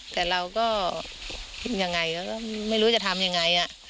แต่เราก็ยังไงก็ไม่รู้จะทำยังไงอ่ะ